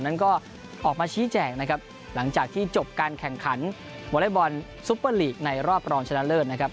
นั้นก็ออกมาชี้แจงนะครับหลังจากที่จบการแข่งขันวอเล็กบอลซุปเปอร์ลีกในรอบรองชนะเลิศนะครับ